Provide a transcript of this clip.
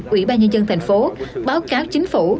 ủy ba nhân dân tp báo cáo chính phủ